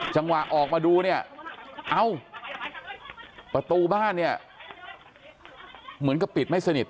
จังหวะออกมาดูประตูบ้านเหมือนกับปิดไม่สนิท